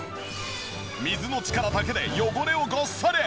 水の力だけで汚れをごっそり！